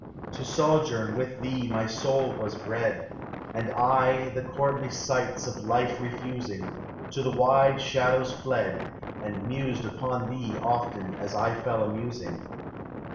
To sojourn with thee my soul was bred, And I, the courtly sights of life refusing, To the wide shadows fled. And mused upon thee often as I fell a musing.